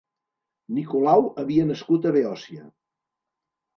Nicolau havia nascut a Beòcia.